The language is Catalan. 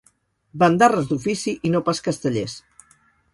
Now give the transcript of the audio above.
Bandarres d'ofici, i no pas castellers.